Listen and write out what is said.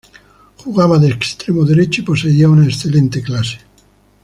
Jugaba de extremo derecho, y poseía una excelente clase.